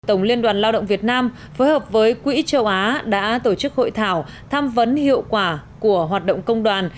tổng liên đoàn lao động việt nam phối hợp với quỹ châu á đã tổ chức hội thảo tham vấn hiệu quả của hoạt động công đoàn